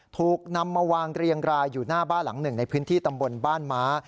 ถูกนำมาวางเรียงรายอยู่หน้าบ้านหลังหนึ่งในพื้นที่ตำบลบ้านม้า